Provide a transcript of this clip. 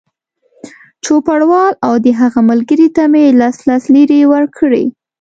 چوپړوال او د هغه ملګري ته مې لس لس لېرې ورکړې.